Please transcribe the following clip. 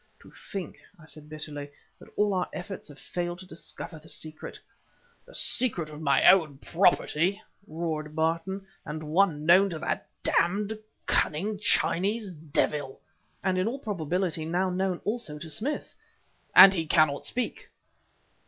"To think," I said bitterly, "that all our efforts have failed to discover the secret " "The secret of my own property!" roared Barton "and one known to that damned, cunning Chinese devil!" "And in all probability now known also to Smith " "And he cannot speak!